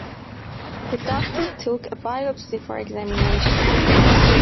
The doctor took a biopsy for examination.